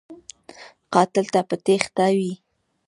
قاتل تل په تیښته وي